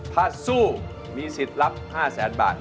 ถ้าสู้มีสิทธิ์รับ๕แสนบาท